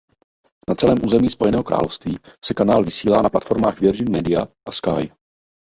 Na celém území Spojeného království se kanál vysílá na platformách Virgin Media a Sky.